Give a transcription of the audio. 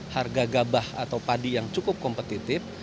harga gabah atau padi yang cukup kompetitif